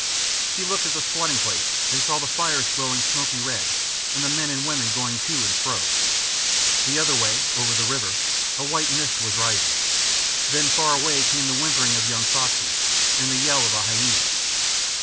She looked at the squatting place and saw the fires glowing smoky red, and the men and women going to and fro. The other way, over the river, a white mist was rising. Then far away came the whimpering of young foxes and the yell of a hyæna.